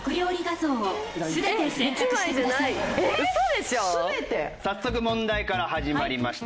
えっ早速問題から始まりました。